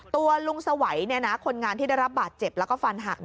ตัวลุงสวัยคนงานที่ได้รับบาดเจ็บแล้วก็ฟันหัก